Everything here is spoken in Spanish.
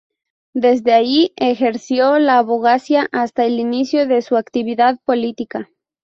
Desde allí ejerció la abogacía hasta el inicio de su actividad política.